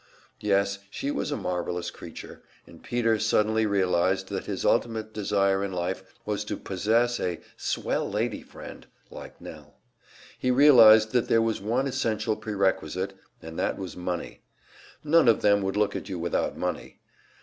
Yes, she was a marvelous creature, and Peter suddenly realized that his ultimate desire in life was to possess a "swell lady friend" like Nell. He realized that there was one essential prerequisite, and that was money. None of them would look at you without money.